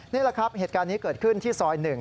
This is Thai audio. นี่แหละครับเหตุการณ์นี้เกิดขึ้นที่ซอย๑